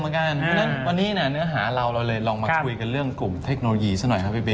เพราะฉะนั้นวันนี้เนื้อหาเราเราเลยลองมาคุยกันเรื่องกลุ่มเทคโนโลยีซะหน่อยครับพี่เบ